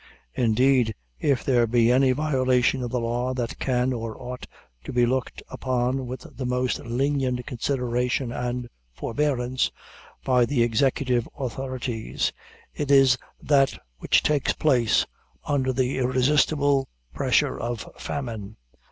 Indeed, if there be any violation of the law that can or ought to be looked upon with the most lenient consideration and forbearance, by the executive authorities, it is that which takes place under the irresistible pressure of famine.